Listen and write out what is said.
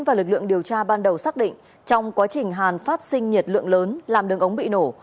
và lực lượng điều tra ban đầu xác định trong quá trình hàn phát sinh nhiệt lượng lớn làm đường ống bị nổ